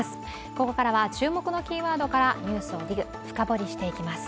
ここからは注目のキーワードからニュースをＤＩＧ深掘りしていきます。